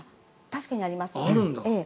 確かにあります。